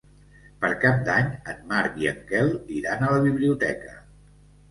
Per Cap d'Any en Marc i en Quel iran a la biblioteca.